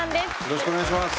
よろしくお願いします。